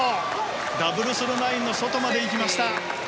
ダブルスのラインの外まで行きました。